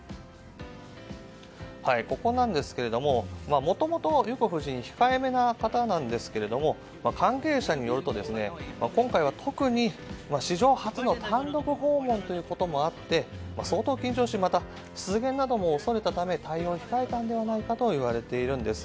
ここなんですがもともと裕子夫人控えめな方なんですが関係者によると今回は特に史上初の単独訪問ということもあって相当緊張しまた失言なども恐れたため対応を控えたのではないかといわれているんです。